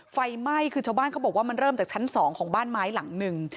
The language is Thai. ไฟไหม้คือชาวบ้านเขาบอกว่ามันเริ่มจากชั้น๒ของบ้านไม้หลังหนึ่ง